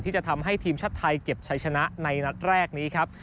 ที่จะทำให้ทีมชาติไทยเก็บชัยชนะในนัดแรกนี้ครับ